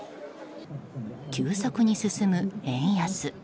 急速に進む円安。